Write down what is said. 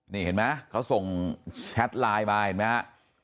นี่เห็นมั้ยเขาส่งแชทไลน์มาเห็นมั้ย